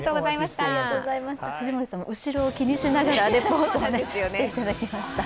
藤森さん、後ろを気にしながらレポートしていただきました。